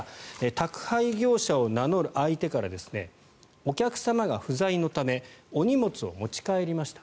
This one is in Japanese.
宅配業者を名乗る相手からお客様が不在のためお荷物を持ち帰りました